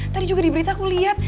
tadi juga diberitaku liat